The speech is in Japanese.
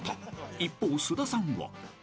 ［一方菅田さんは］